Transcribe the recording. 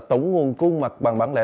tổng nguồn khuôn mặt bằng bản lệ